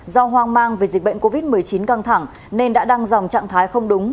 do hoang mang về dịch bệnh covid một mươi chín căng thẳng nên đã đăng dòng trạng thái không đúng